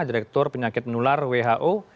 direktur penyakit nular who